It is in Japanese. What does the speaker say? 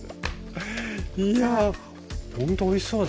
いやほんとおいしそうですね。